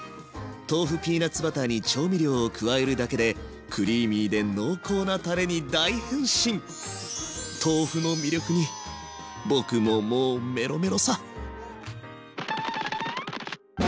豆腐ピーナツバターに調味料を加えるだけでクリーミーで濃厚なたれに大変身豆腐の魅力に僕ももうメロメロさ。